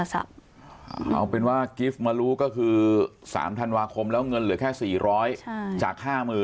โทรเป็นว่ามารู้ก็คือ๓ธันวาคมแล้วเงินเหลือแค่๔๐๐จาก